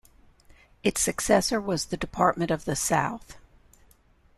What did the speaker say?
Its successor was the Department of the South.